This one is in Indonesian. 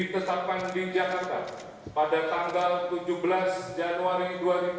pertemuan tahun dua ribu empat belas dua ribu sembilan belas